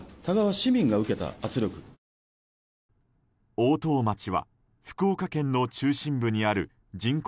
大任町は福岡県の中心部にある人口